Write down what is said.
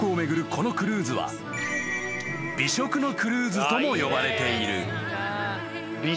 このクルーズは美食のクルーズとも呼ばれている］